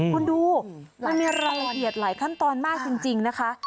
คุณดูมันมีรายละเอียดหลายขั้นตอนมากจริงนะคะ